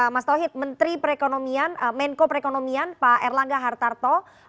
mas tauhid menteri perekonomian menko perekonomian pak erlangga hartarto